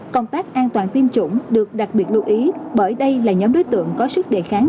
công tác an toàn tiêm chủng được đặc biệt lưu ý bởi đây là nhóm đối tượng có sức đề kháng